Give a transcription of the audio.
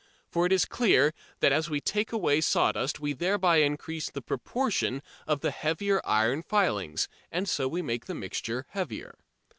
For it is clear that as we take away sawdust we thereby increase the proportion of the heavier iron filings and so we make the mixture heavier.